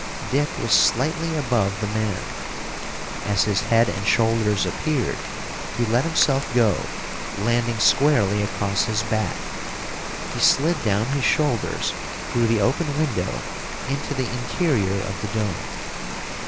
Dick was slightly above the man. As his head and shoulders appeared, he let himself go, landing squarely across his back. He slid down his shoulders through the open window into the interior of the dome.